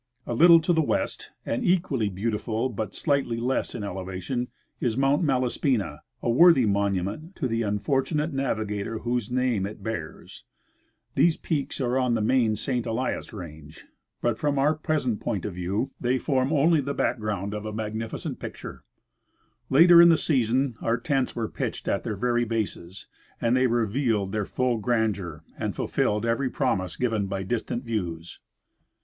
A little to the west, and equally beautiful but slightly less in elevation, is Mount Malaspina — a Avorthy monument to the unfortunate navigator whose name it bears. These peaks are on the main St. Elias range, but from our jDresent point of view they form only the 17— Nat. Geog. Mag., vol. Ill, 1891. 118 I. C. Russell — Expedition to Mount St. Ellas. background of a magnificent ^^icture. Later in the season our tents were pitched at their very bases, and they then revealed their full grandeur an(J fulfilled every promise given by distant views.